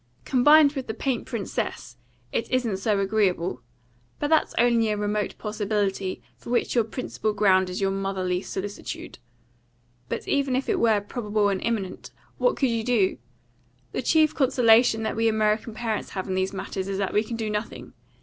Combined with the paint princess, it isn't so agreeable; but that's only a remote possibility, for which your principal ground is your motherly solicitude. But even if it were probable and imminent, what could you do? The chief consolation that we American parents have in these matters is that we can do nothing.